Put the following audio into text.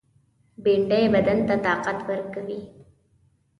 بېنډۍ بدن ته طاقت ورکوي